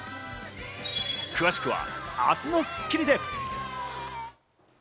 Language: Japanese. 詳しくは明日の『スッキリ』で。